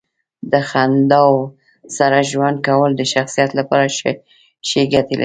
د خنداوو سره ژوند کول د شخصیت لپاره ښې ګټې لري.